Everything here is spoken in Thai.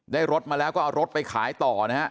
รถมาแล้วก็เอารถไปขายต่อนะฮะ